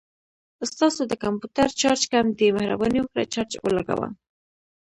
ستاسو د کمپوټر چارج کم دی، مهرباني وکړه چارج ولګوه